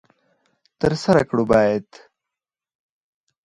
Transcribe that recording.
تر سره کړو باید.